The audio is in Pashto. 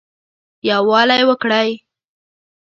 يووالى وکړٸ